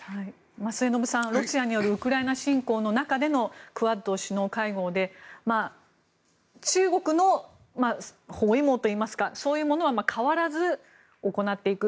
末延さん、ロシアによるウクライナ侵攻の中でのクアッド首脳会合で中国の包囲網といいますかそういうものは変わらず行っていく。